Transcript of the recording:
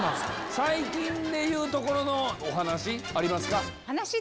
最近で言うところのお話ありますか？